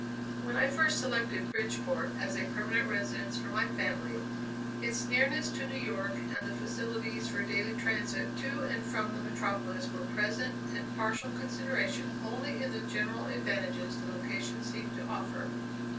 When I first selected Bridgeport as a permanent residence for my family, its nearness to New York and the facilities for daily transit to and from the metropolis were present and partial considerations only in the general advantages the location seemed to offer.